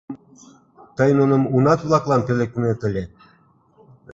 — Тый нуным унат-влаклан пӧлеклынет ыле?